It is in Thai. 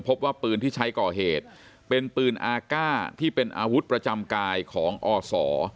พบว่าปืนที่ใช้ก่อเหตุเป็นปืนอาก้าที่เป็นอาวุธประจำกายของอศ